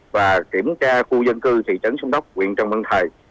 và kiểm tra khu dân cư thị trấn sông đốc quyện trần văn thời